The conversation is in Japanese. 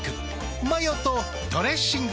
マヨとドレッシングで。